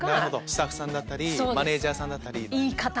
スタッフさんだったりマネジャーさんだったり。